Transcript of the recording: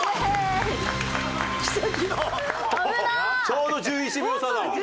ちょうど１１秒差だわ。